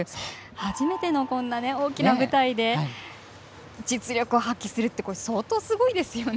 初めてのこんな大きな舞台で実力を発揮するって相当すごいですよね。